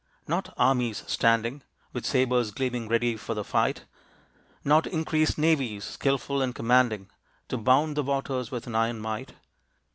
Not armies standing With sabres gleaming ready for the fight. Not increased navies, skillful and commanding, To bound the waters with an iron might.